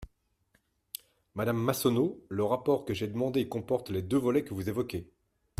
Madame Massonneau, le rapport que j’ai demandé comporte les deux volets que vous évoquez.